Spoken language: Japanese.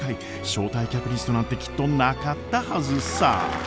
招待客リストなんてきっとなかったはずさー。